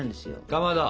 かまど！